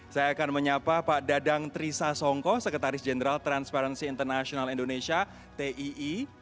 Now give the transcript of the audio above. saya akan menyapa pak dadang trisa songko sekretaris jenderal transparency international indonesia tii